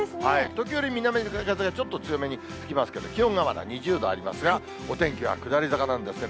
時折、南風がちょっと強めに吹きますけど、気温がまだ２０度ありますが、お天気は下り坂なんですね。